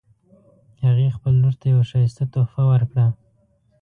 هغې خپل لور ته یوه ښایسته تحفه ورکړه